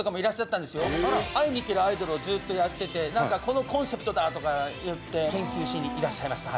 会いに行けるアイドルをずっとやってて何かこのコンセプトだ！とか言って研究しにいらっしゃいました。